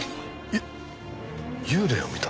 ゆ幽霊を見た？